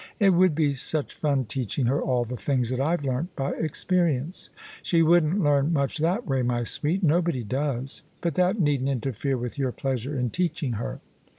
It would be such fun teach ing her all the things that iVe learnt by experience." She wouldn't leam much that way, my sweet : nobody does. But that needn't interfere with your pleasure in teach ing her."